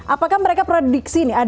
apakah mereka prediksi ini